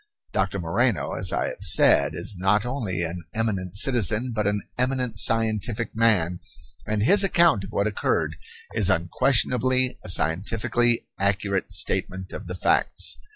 Doctor Moreno, as I have said, is not only an eminent citizen, but an eminent scientific man, and his account of what occurred is unquestionably a scientifically accurate statement of the facts.